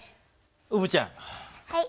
うぶちゃん。